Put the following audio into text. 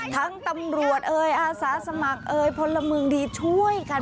ทางตำรวจอาสาสมัครโปรดละมือช่วยกัน